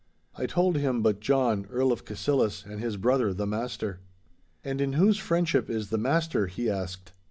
I told him but John, Earl of Cassillis, and his brother the Master. 'And in whose friendship is the Master?' he asked.